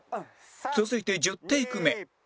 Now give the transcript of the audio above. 続いて１０テイク目